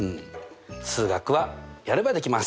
数学はやればできます！